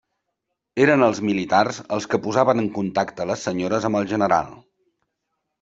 Eren els militars els que posaven en contacte les senyores amb el general.